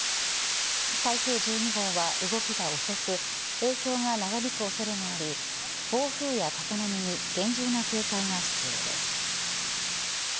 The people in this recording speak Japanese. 台風１２号は動きが遅く影響が長引く恐れがあり暴風や高波に厳重な警戒が必要です。